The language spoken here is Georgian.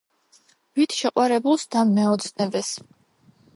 ვით შეყვარებულს და მეოცნებეს